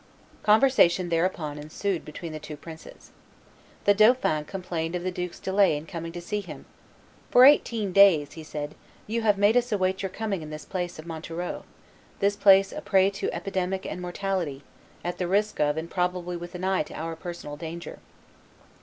Conversation thereupon ensued between the two princes. The dauphin complained of the duke's delay in coming to see him: "For eighteen days," he said, "you have made us await your coming in this place of Montereau, this place a prey to epidemic and mortality, at the risk of and probably with an eye to our personal danger."